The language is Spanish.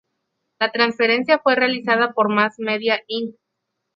La transferencia fue realizada por Mass Media Inc.